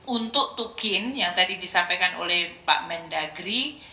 untuk tukin yang tadi disampaikan oleh pak mendagri